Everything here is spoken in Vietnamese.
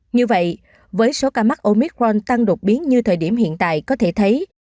như vậy với số ca mắc omicron tăng đột biến như thời điểm hiện tại có thể thấy